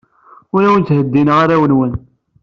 Ur awen-ttheddineɣ arraw-nwen.